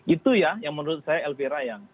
itu ya yang menurut saya elvira yang